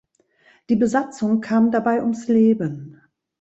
Die Besatzung kam dabei ums Leben.